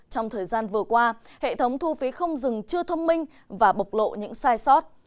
trong thời gian vừa qua hệ thống thu phí không dừng chưa thông minh và bộc lộ những sai sót